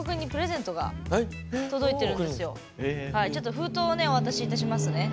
はいちょっと封筒をねお渡しいたしますね。